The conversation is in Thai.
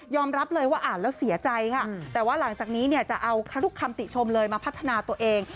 รับเลยว่าอ่านแล้วเสียใจค่ะแต่ว่าหลังจากนี้เนี่ยจะเอาทุกคำติชมเลยมาพัฒนาตัวเอง